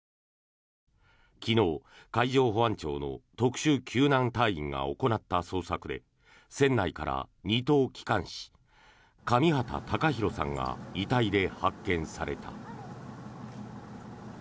昨日、海上保安庁の特殊救難隊員が行った捜索で船内から２等機関士、上畠隆寛さんが遺体で発見された。